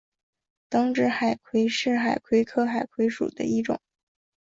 等指海葵是海葵科海葵属的一种。